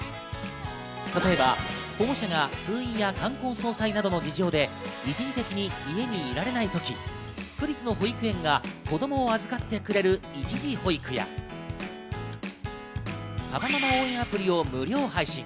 例えば保護者が通院や冠婚葬祭などの事情で一時的に家にいられないとき、区立の保育園が子供を預かってくれる一時保育やパパママ応援アプリを無料配信。